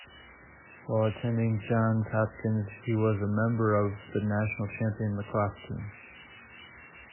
While attending Johns Hopkins he was a member of the National Champion lacrosse team.